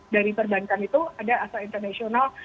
dari perbankan itu ada astra international